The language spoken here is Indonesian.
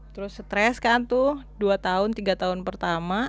terus stres kan tuh dua tahun tiga tahun pertama